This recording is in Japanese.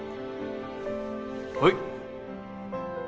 はい。